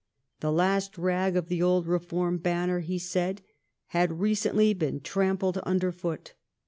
The last rag of the old reform banner, he said, had recently been trampled nnder foot.